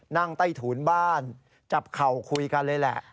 นั่งใต้ถูนบ้านจับเข่าคุยกันเลยแหละ